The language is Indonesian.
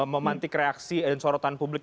memantik reaksi dan sorotan publik